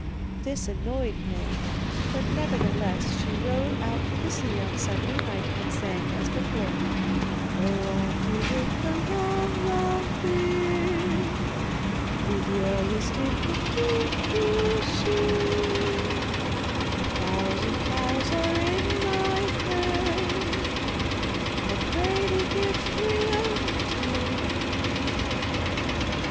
This annoyed Maie, but nevertheless she rowed out to sea on Sunday night and sang as before: Oh, Ahti, with the long, long beard, Who dwellest in the deep blue sea, A thousand cows are in thy herd, I pray thee give three unto me.